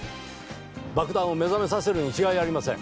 爆弾を目覚めさせるに違いありません。